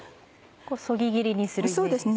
そぎ切りにするイメージですね。